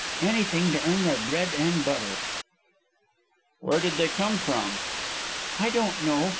Anything to earn their bread and butter." "Where did they come from?" "I don't know.